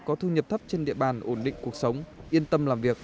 có thu nhập thấp trên địa bàn ổn định cuộc sống yên tâm làm việc